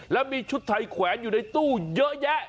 แล้วมีชุดไทยแขวนอยู่ในตู้เยอะแยะ